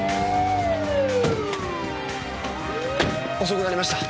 遅くなりました。